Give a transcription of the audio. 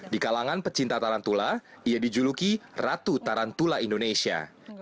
di kalangan pecinta tarantula ia dijuluki ratu tarantula indonesia